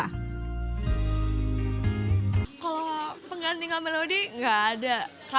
kalau pengganti melody enggak ada